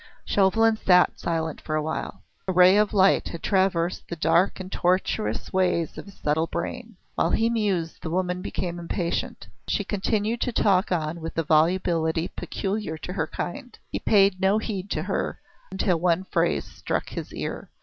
Chauvelin sat silent for a while. A ray of light had traversed the dark and tortuous ways of his subtle brain. While he mused the woman became impatient. She continued to talk on with the volubility peculiar to her kind. He paid no heed to her, until one phrase struck his ear.